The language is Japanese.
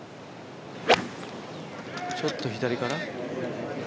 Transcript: ちょっと左かな？